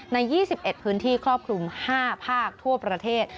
ใน๒๑พื้นที่ครอบคลุม๕ภาคทั่วประเทศ